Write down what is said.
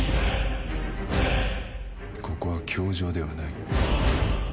「ここは教場ではない」